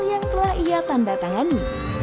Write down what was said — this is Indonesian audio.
yang dikira tanda tangani